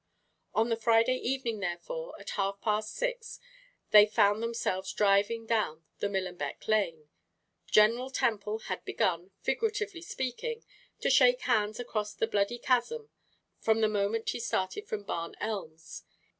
On the Friday evening, therefore, at half past six, they found themselves driving down the Millenbeck lane. General Temple had begun, figuratively speaking, to shake hands across the bloody chasm from the moment he started from Barn Elms.